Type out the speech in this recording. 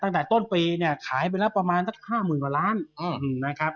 ตั้งแต่ต้นปีเนี่ยขายไปแล้วประมาณสัก๕๐๐๐กว่าล้านนะครับ